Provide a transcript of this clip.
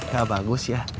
gak bagus ya